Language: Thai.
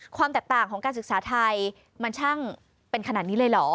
ความแตกต่างของการศึกษาไทยมันช่างเป็นขนาดนี้เลยเหรอ